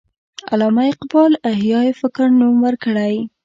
علامه اقبال احیای فکر نوم ورکړی.